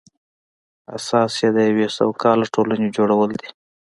اساس یې د یوې سوکاله ټولنې جوړول دي.